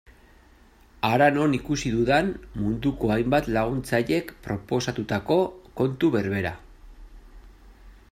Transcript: Hara non ikusi dudan munduko hainbat laguntzailek proposatutako kontu berbera.